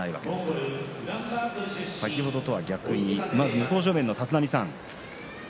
向正面の立浪さん